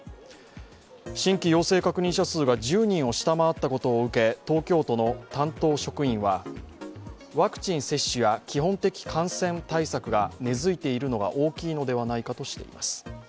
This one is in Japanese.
新規陽性確認者数が１０人を下回ったことを受け、東京都の担当職員は、ワクチン接種や基本的感染対策が根付いているのが大きいのではないかとしています。